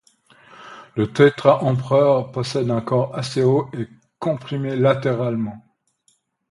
Le tétra empereur possède un corps assez haut et comprimé latéralement.